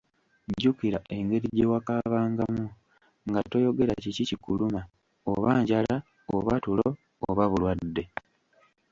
Jjukira engeri gye wakaabangamu, nga toyogera kiki kikuluma, oba njala, oba tulo, oba bulwadde.